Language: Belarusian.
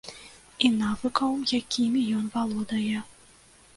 І навыкаў, якімі ён валодае.